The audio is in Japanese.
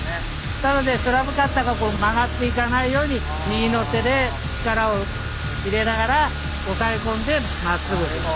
なのでスラブカッターが曲がっていかないように右の手で力を入れながら押さえ込んでまっすぐ進むんです。